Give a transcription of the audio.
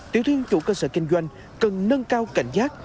tiểu thương chủ cơ sở kinh doanh cần nâng cao cảnh giác